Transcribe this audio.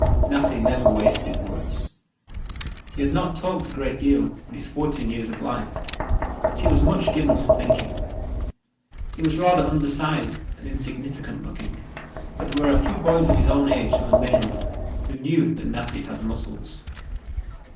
Natty never wasted words. He had not talked a great deal in his fourteen years of life, but he was much given to thinking. He was rather undersized and insignificant looking, but there were a few boys of his own age on the mainland who knew that Natty had muscles.